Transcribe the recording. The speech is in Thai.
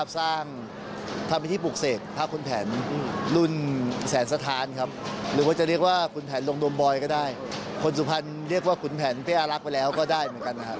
ว่าตัวเองเนี่ยก็เริ่มจะมาสายมูเตรลูกับเขาเหมือนกัน